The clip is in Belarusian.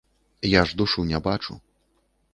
Я ж душу не бачу.